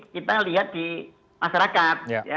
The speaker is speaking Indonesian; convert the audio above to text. kita lihat di masyarakat